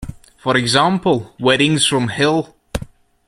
For example, "Weddings from Hell".